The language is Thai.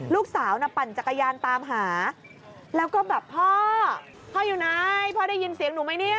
ลูกสาวน่ะปั่นจักรยานตามหาแล้วก็แบบพ่อพ่ออยู่ไหนพ่อได้ยินเสียงหนูไหมเนี่ย